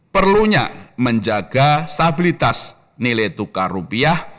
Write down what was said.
perlunya menjaga stabilitas nilai tukar rupiah